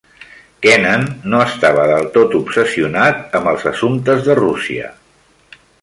Kennan no estava del tot obsessionat amb els assumptes de Rússia.